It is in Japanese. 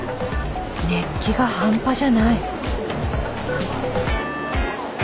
熱気が半端じゃない。